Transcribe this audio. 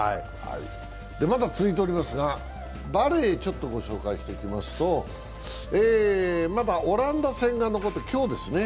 まだ続いておりますがバレーをご紹介しておきますとまだオランダ戦が残って今日ですね。